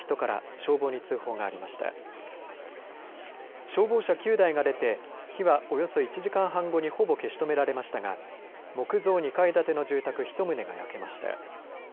消防車９台が出て、火はおよそ１時間半後にほぼ消し止められましたが木造２階建ての住宅１棟が焼けました。